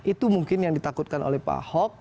itu mungkin yang ditakutkan oleh pak ahok